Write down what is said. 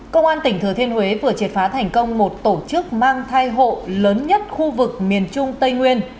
công an tỉnh thừa thiên huế vừa triệt phá thành công một tổ chức mang thai hộ lớn nhất khu vực miền trung tây nguyên